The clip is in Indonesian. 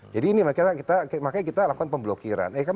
jadi ini makanya kita lakukan pemblokiran